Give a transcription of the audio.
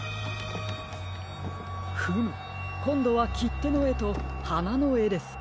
フムこんどはきってのえとはなのえですか。